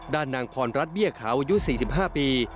ด้านนางขอนรัฐเบี้ยเขาอายุ๔๕ปี